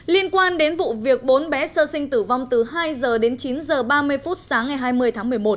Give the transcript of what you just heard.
liên quan đến vụ việc bốn bé sơ sinh tử vong từ hai h đến chín h ba mươi phút sáng ngày hai mươi tháng một mươi một